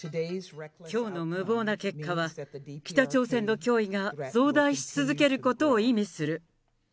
きょうの無謀な結果は、北朝鮮の脅威が増大し続けることを意味する。